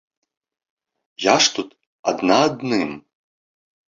Я ж тут адна адным.